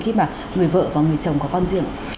khi mà người vợ và người chồng có con riêng